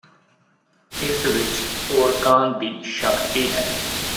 ਇਸ ਵਿੱਚ ਓੜਕਾਂ ਦੀ ਸ਼ਕਤੀ ਹੈ